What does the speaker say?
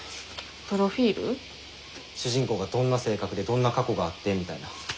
主人公がどんな性格でどんな過去があってみたいな。